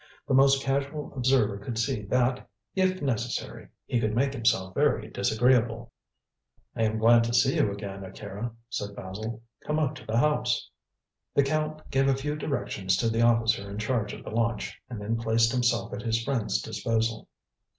The most casual observer could see that, if necessary, he could make himself very disagreeable. "I am glad to see you again, Akira," said Basil; "come up to the house." The Count gave a few directions to the officer in charge of the launch and then placed himself at his friend's disposal.